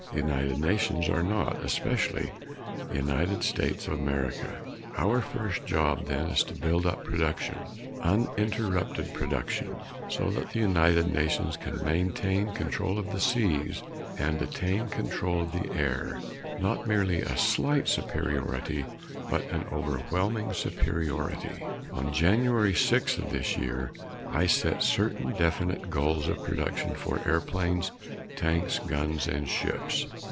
The United Nations are not especially the United States of America. Our first job then is to build up production uninterrupted production so that the United Nations can maintain control of the seas and attain control of the air not merely a slight superiority, but an overwhelming superiority. On January 6th of this year, I set certain definite goals of production for airplanes, tanks, guns and ships.